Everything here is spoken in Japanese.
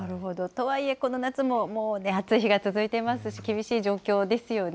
とはいえ、この夏ももう暑い日が続いていますし、厳しい状況ですよね。